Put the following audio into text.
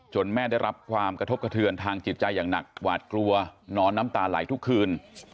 แม่ได้รับความกระทบกระเทือนทางจิตใจอย่างหนักหวาดกลัวนอนน้ำตาไหลทุกคืน